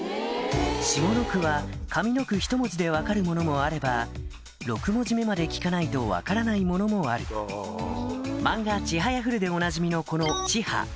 下の句は上の句ひと文字で分かるものもあれば６文字目まで聞かないと分からないものもある漫画『ちはやふる』でおなじみのこの「ちは」